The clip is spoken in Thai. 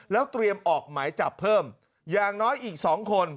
แล้วเตรียมออกหมายจับเพิ่มอย่างน้อยอีก๒คน